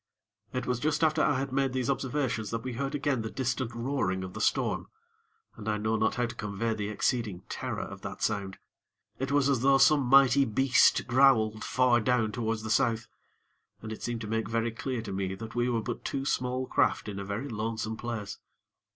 It was just after I had made these observations that we heard again the distant roaring of the storm, and I know not how to convey the exceeding terror of that sound. It was as though some mighty beast growled far down towards the South; and it seemed to make very clear to me that we were but two small craft in a very lonesome place.